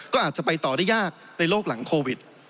ก็อาจจะไปต่อได้ยากในโลกหลังโควิด